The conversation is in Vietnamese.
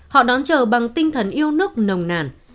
họ đón chờ bằng tinh thần yêu nước nồng nàn